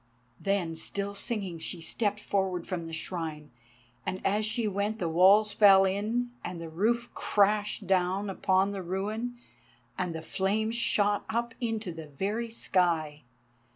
_" Then, still singing, she stepped forward from the Shrine, and as she went the walls fell in, and the roof crashed down upon the ruin and the flames shot up into the very sky.